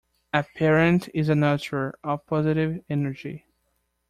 A parent is a nurturer of positive energy.